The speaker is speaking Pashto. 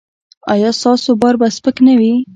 ایا ستاسو بار به سپک نه وي؟